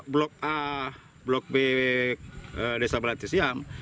blok a blok b desa balai tisiam